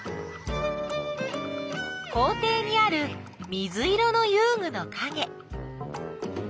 校ていにある水色のゆうぐのかげ。